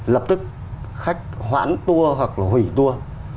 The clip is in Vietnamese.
lập tức khách hoãn tour hoặc là hủy tour